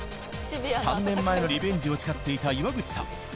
３年前のリベンジを誓っていた岩口さん。